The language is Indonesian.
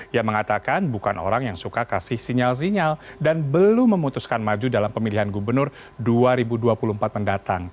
yang mengatakan bukan orang yang suka kasih sinyal sinyal dan belum memutuskan maju dalam pemilihan gubernur dua ribu dua puluh empat mendatang